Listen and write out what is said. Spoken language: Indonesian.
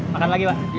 makan lagi wak